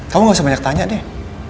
kamu gak usah banyak tanya deh